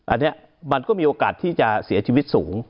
อันนี้มันก็มีโอกาสที่จะเสียชีวิตสูง